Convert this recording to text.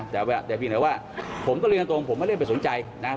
แต่ว่าแต่พี่แหน่ว่าผมต้องยืนตัวตรงผมไม่ได้ไปสนใจนะครับ